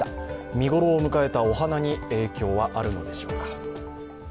見頃を迎えたお花に影響はあるのでしょうか。